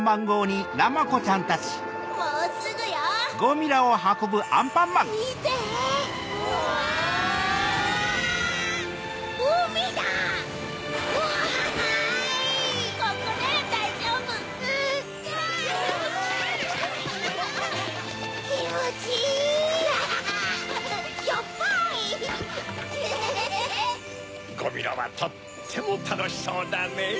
ゴミラはとってもたのしそうだねぇ。